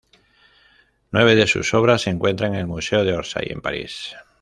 Nueve de sus obras se encuentran en el Museo de Orsay en París.